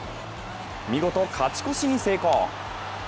見事、勝ち越しに成功。